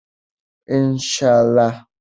انشاءالله.